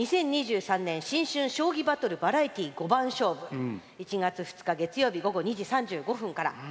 「新春将棋特番バラエティー五番勝負」１月２日月曜日午後２時３５分から。